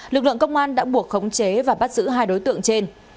lực lượng công an đã buộc khống chế và bắt giữ hai đối tượng trên